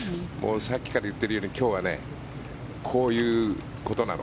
さっきから言っているように今日はこういうことなの。